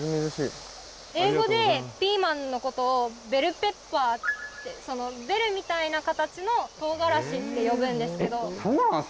英語でピーマンのことをベルペッパーってそのベルみたいな形のとうがらしって呼ぶんですけどえっ